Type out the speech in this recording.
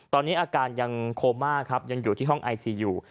ตอนนี้อาการยังโคม่าครับยังอยู่ที่ห้องไอซียู